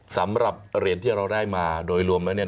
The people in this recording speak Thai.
สำหรับเหรียญที่เราได้มาโดยรวมแล้วเนี่ย